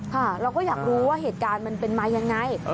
เราก็อยากรู้ว่าเหตุการณ์มันเป็นมายังไง